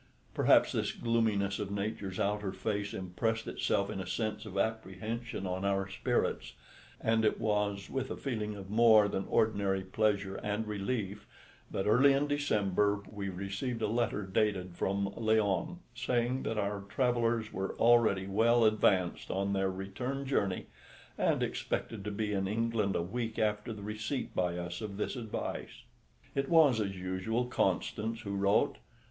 Perhaps this gloominess of nature's outer face impressed itself in a sense of apprehension on our spirits, and it was with a feeling of more than ordinary pleasure and relief that early in December we received a letter dated from Laon, saying that our travellers were already well advanced on their return journey, and expected to be in England a week after the receipt by us of this advice. It was, as usual, Constance who wrote.